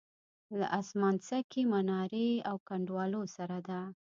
له اسمانڅکې منارې او کنډوالو سره ده.